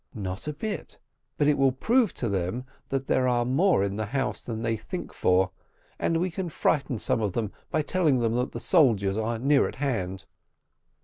"Not a bit; but it will prove to them that there are more in the house than they think for; and we can frighten some of them by telling them that the soldiers are near at hand."